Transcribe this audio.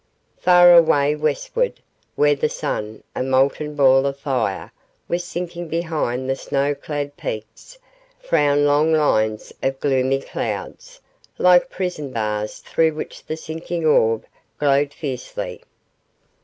Far away westward, where the sun a molten ball of fire was sinking behind the snow clad peaks, frowned long lines of gloomy clouds like prison bars through which the sinking orb glowed fiercely.